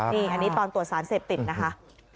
นี่อันนี้ตอนตรวจสารเสพติดนะคะ